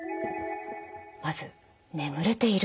まず「眠れているか？」